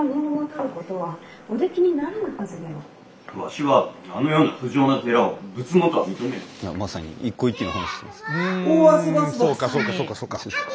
うんそうかそうかそうか。